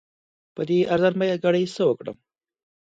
په دې ارزان بیه ګړي څه وکړم؟